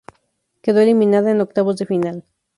Quedó eliminada en octavos de final.